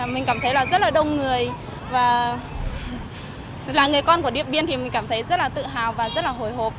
mình cảm thấy là rất là đông người và là người con của điện biên thì mình cảm thấy rất là tự hào và rất là hồi hộp